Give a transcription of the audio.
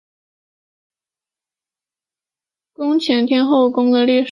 宫前天后宫的历史年代为清代。